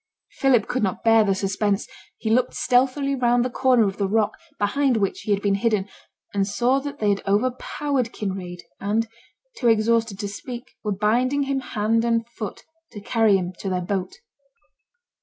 Philip could not bear the suspense; he looked stealthily round the corner of the rock behind which he had been hidden, and saw that they had overpowered Kinraid, and, too exhausted to speak, were binding him hand and foot to carry him to their boat.